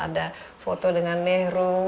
ada foto dengan nehru